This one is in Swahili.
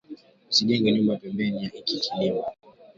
Usijenge nyumba pembeni ya iki kilima